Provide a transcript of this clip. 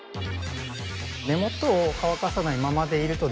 根元を乾かさないままでいるとですね